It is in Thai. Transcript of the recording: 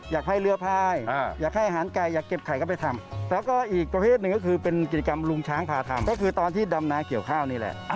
อยากให้เรือพายอยากให้อาหารไก่อยากเก็บไข่ก็ไปทำแล้วก็อีกประเภทหนึ่งก็คือเป็นกิจกรรมลุงช้างพาทำก็คือตอนที่ดำนาเกี่ยวข้าวนี่แหละ